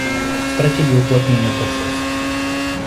Стратегия уплотнения процессов